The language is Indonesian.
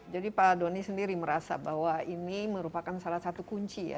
jadi pak doni sendiri merasa bahwa ini merupakan salah satu kunci ya